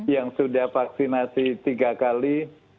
yang sudah vaksinasi tiga kali